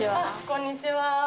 こんにちは。